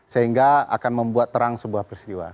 sehingga akan membuat terang sebuah peristiwa